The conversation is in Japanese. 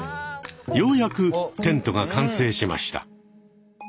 ようやくテントが完成しました。